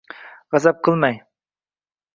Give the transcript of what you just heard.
G‘azab qilmang.